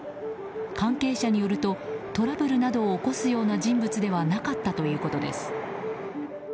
関係者によると、トラブルなどを起こすような人物ではなかったということです。